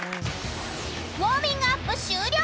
［ウオーミングアップ終了］